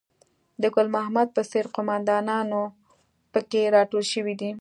د ګل محمد په څېر قوماندانان په کې راټول شوي دي.